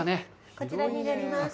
こちらになります。